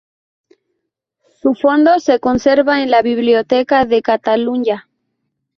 Su fondo se conserva en la Biblioteca de Catalunya.